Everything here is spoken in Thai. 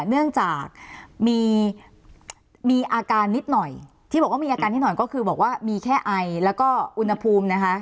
เนื่องจากมีอาการนิดหน่อยที่บอกว่ามีอาการนิดหน่อยก็คือบอกว่ามีแค่ไอแล้วก็อุณหภูมินะคะ